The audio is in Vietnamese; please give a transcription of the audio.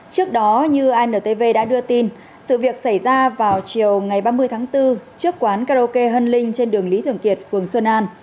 trước đó như antv đã đưa tin sự việc xảy ra vào chiều ngày ba mươi tháng bốn trước quán karaoke hân linh trên đường lý thường kiệt phường xuân an